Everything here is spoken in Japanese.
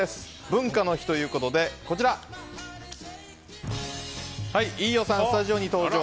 文化の日ということで飯尾さん、スタジオに登場。